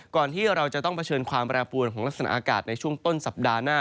ก่อนที่เราจะต้องเผชิญความแปรปวนของลักษณะอากาศในช่วงต้นสัปดาห์หน้า